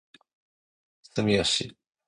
住吉